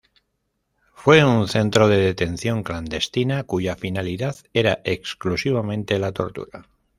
Fue un centro de detención clandestina cuya finalidad era exclusivamente la tortura.